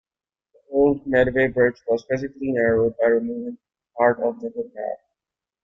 The old Medway Bridge was physically narrowed by removing part of the footpath.